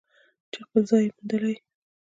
چې خپل ځای یې موندلی.